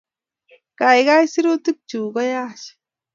Kaikai, sirutik chug ko yach